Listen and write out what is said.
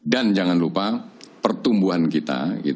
dan jangan lupa pertumbuhan kita